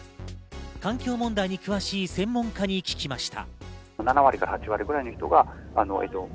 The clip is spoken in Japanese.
環境問題に詳しい専門家に聞きました。